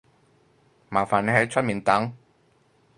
麻煩你喺出面等